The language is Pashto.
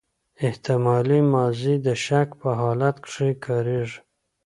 احتمالي ماضي د شک په حالت کښي کاریږي.